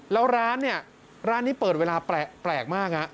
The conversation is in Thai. แล้วร้านเนี่ยร้านนี้เปิดเวลาแปลกมาก